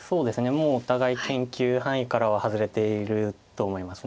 もうお互い研究範囲からは外れていると思います。